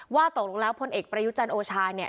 ว่าตกลงแล้วพลเอกประยุทธ์จันทร์โอชา